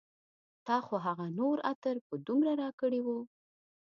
تا خو هغه نور عطر په دومره راکړي و